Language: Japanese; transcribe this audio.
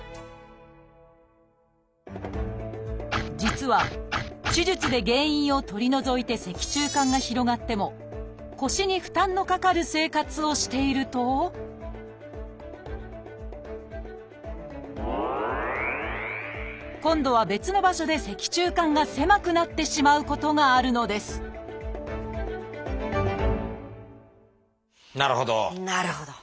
実は手術で原因を取り除いて脊柱管が広がっても腰に負担のかかる生活をしていると今度は別の場所で脊柱管が狭くなってしまうことがあるのですなるほど！